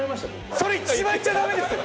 それ一番言っちゃダメですよ！